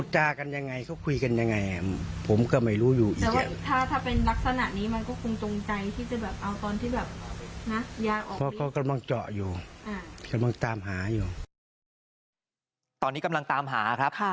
ตอนนี้กำลังตามหาครับ